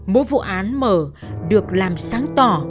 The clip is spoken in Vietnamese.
mỗi vụ án mở được làm sáng tỏ